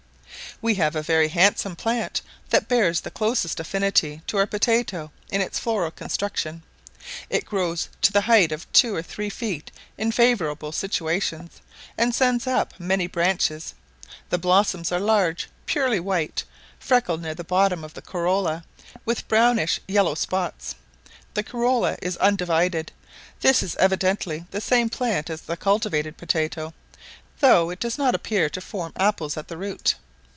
We have a very handsome plant that bears the closest affinity to our potatoe in its floral construction; it grows to the height of two or three feet in favourable situations, and sends up many branches; the blossoms are large, purely white, freckled near the bottom of the corolla with brownish yellow spots; the corolla is undivided: this is evidently the same plant as the cultivated potatoe, though it does not appear to form apples at the root.